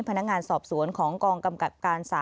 พนักงานสอบสวนของกองกำกับการ๓